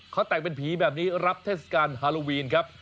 เขาแต่งเป็นผีแบบนี้รับเทศกาลฮาโลวีนครับ